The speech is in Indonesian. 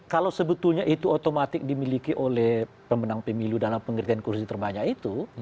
kalau sebetulnya itu otomatis dimiliki oleh pemenang pemilu dalam pengertian kursi terbanyak itu